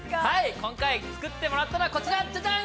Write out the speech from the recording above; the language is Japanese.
今回、作ってもらったのはこちら、じゃじゃん。